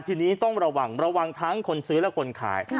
ทีนี้ต้องระวังระวังทั้งคนซื้อและคนขาย